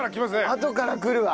あとから来るわ。